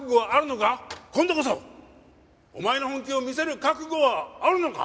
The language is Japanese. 今度こそお前の本気を見せる覚悟はあるのか？